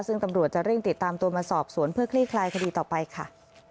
ซึ่งตำรวจจะเร่งติดตามตัวมาสอบสวนเพื่อคลี่คลายคดีต่อไปค่ะ